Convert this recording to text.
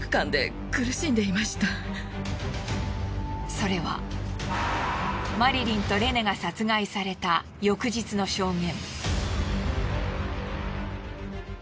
それはマリリンとレネが殺害された翌日の証言。